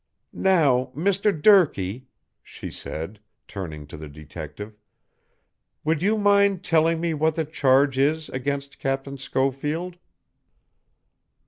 Now, Mr. Durkee," she said, turning to the detective, "would you mind telling me what the charge is against Captain Schofield?"